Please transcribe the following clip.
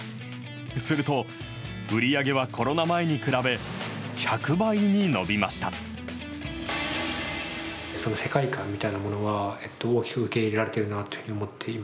すると、売り上げはコロナ前に比べ、１００倍に伸びました。